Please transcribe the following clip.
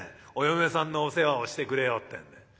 お嫁さんのお世話をしてくれようってんで。